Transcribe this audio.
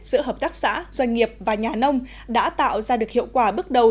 giữa hợp tác xã doanh nghiệp và nhà nông đã tạo ra được hiệu quả bước đầu